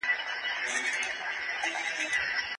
هر ماشوم د واکسین حق لري.